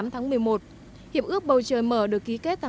một mươi tám tháng một mươi một hiệp ước bầu trời mở được ký kết